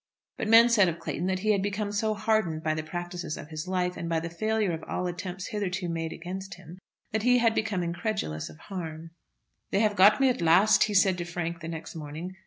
But men said of Clayton that he had become so hardened by the practices of his life, and by the failure of all attempts hitherto made against him, that he had become incredulous of harm. "They have got me at last," he said to Frank the next morning.